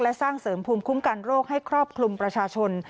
และสร้างเสริมภูมิคุ้มกันโรคให้ครอบคลุมประชาชน